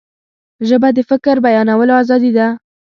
ژبه د فکر بیانولو آزادي ده